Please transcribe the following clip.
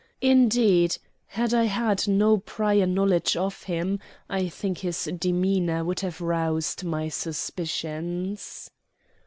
Indeed, had I had no prior knowledge of him, I think his demeanor would have roused my suspicions.